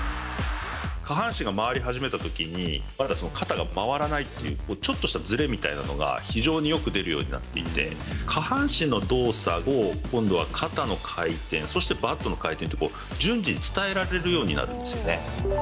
下半身が回り始めたときに、まだ肩が回らないっていう、ちょっとしたずれみたいなのが、非常によく出るようになっていて、下半身の動作を、今度は肩の回転、そして、バットの回転と、順次、伝えられるようになるんですよね。